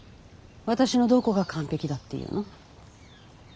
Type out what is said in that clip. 私のどこが完璧だっていうの？